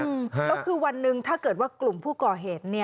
แล้วคือวันหนึ่งถ้าเกิดว่ากลุ่มผู้ก่อเหตุ